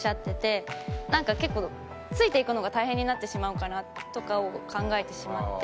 なんか結構ついていくのが大変になってしまうかなとかを考えてしまって。